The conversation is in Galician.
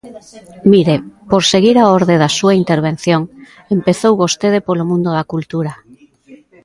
Mire, por seguir a orde da súa intervención, empezou vostede polo mundo da cultura.